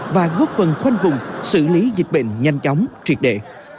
và góp phần khoanh vùng xử lý dịch bệnh nhanh chóng triệt đệ